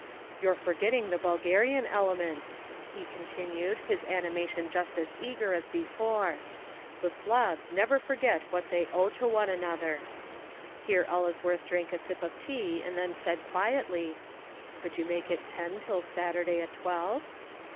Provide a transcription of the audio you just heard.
"You're forgetting the Bulgarian element," he continued, his animation just as eager as before. "The Slavs never forget what they owe to one another." Here Ellesworth drank a sip of tea and then said quietly, "Could you make it ten till Saturday at twelve?"